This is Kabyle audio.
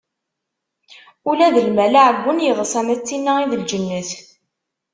Ula d lmal aɛeggun yeḍṣa ma d tinna i d lǧennet.